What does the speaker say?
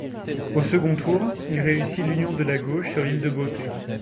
Au second tour, il réussit l'union de la gauche sur l'île de Beauté.